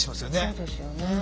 そうですよね。